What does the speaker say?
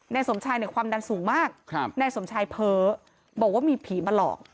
นายสมชายเนี่ยความดันสูงมากนายสมชายเพ้อบอกว่ามีผีมาหลอก